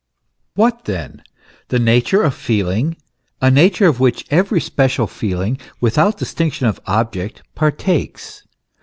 What then ? The nature of feeling a nature of which every special feeling, without dis tinction of objects, partakes.